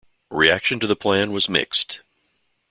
Reaction to the plan was mixed.